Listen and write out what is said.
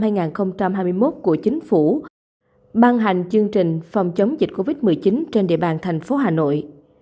ubnd tp hà nội ban hành chương trình phòng chống dịch covid một mươi chín trên địa bàn thành phố hà nội